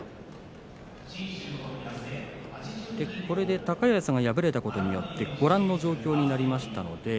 これで高安が敗れたことによってご覧の状況になりました。